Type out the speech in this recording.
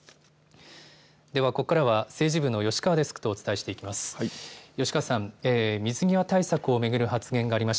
では、ここからは政治部の吉川デスクとお伝えしていきます。